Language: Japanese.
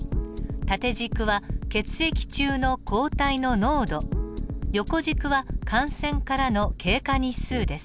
縦軸は血液中の抗体の濃度横軸は感染からの経過日数です。